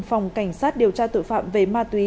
phòng cảnh sát điều tra tội phạm về ma túy